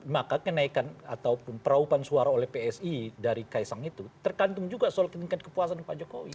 maka kenaikan ataupun peraupan suara oleh psi dari kaisang itu tergantung juga soal tingkat kepuasan pak jokowi